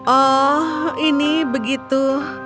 oh ini begitu